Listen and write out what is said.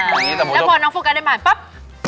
อ๋อแล้วพอน้องโฟกันเรื่องผ่านปั๊บ